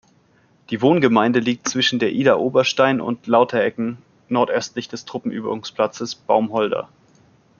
Die Wohngemeinde liegt zwischen Idar-Oberstein und Lauterecken nordöstlich des Truppenübungsplatzes Baumholder.